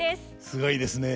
すごいですね。